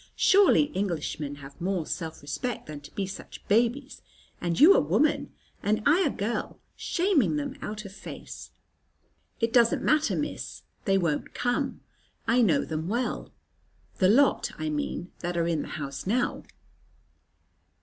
Surely Englishmen have more self respect than to be such babies, and you a woman, and I a girl, shaming them out of face." "It doesn't matter, Miss; they won't come. I know them well, the lot I mean that are in the house now."